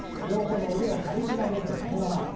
両方の腕を軽く曲げて胸の前。